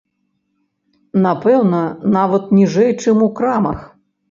Напэўна, нават ніжэй, чым у крамах.